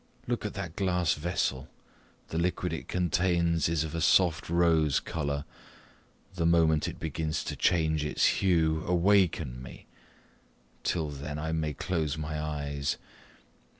Look at that glass vessel. The liquid it contains is of a soft rose colour: the moment it begins to change its hue, awaken me till then I may close my eyes.